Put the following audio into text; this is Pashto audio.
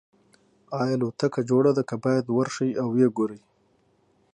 ایا الوتکه جوړه ده که باید ورشئ او وګورئ